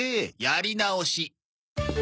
やり直し。